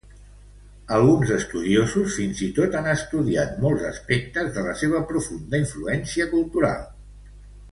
Alguns estudiosos fins i tot han estudiat molts aspectes de la seva profunda influència cultural.